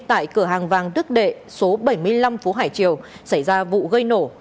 tại cửa hàng vàng đức đệ số bảy mươi năm phố hải triều xảy ra vụ gây nổ